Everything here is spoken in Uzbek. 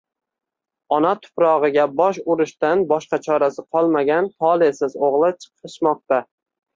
ona tuprog'iga bosh urushdan boshqa chorasi qolmagan tolesiz o'g'li chiqishmoqda.